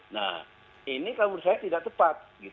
nah ini kalau menurut saya tidak tepat